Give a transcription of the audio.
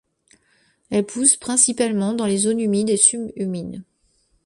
Elle pousse principalement dans les zones humides et sub-humides.